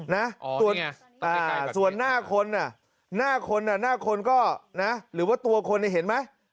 น่ะส่วนหน้าคนน่ะหน้าคนก็หรือว่าตัวคนเห็นไหม